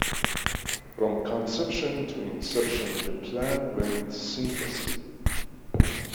From conception to inception the plan went seamlessly.